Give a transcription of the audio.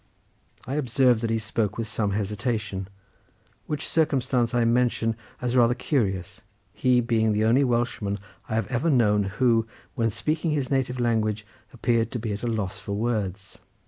I observed that he spoke with some hesitation; which circumstance I mention as rather curious, he being the only Welshman I have ever known who, when speaking his native language, appeared to be at a loss for words.